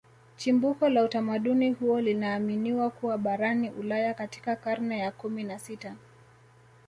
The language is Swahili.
Chimbuko la utamaduni huo linaaminiwa kuwa barani Ulaya katika karne ya kumi na sita